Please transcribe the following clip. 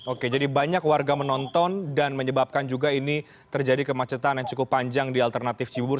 oke jadi banyak warga menonton dan menyebabkan juga ini terjadi kemacetan yang cukup panjang di alternatif cibubur